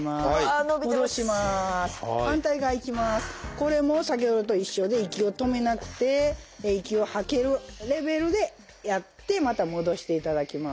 これも先ほどと一緒で息を止めなくて息を吐けるレベルでやってまた戻していただきます。